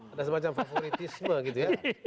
ada semacam favoritisme gitu ya